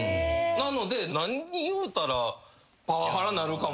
なので何言うたらパワハラなるかも分からん。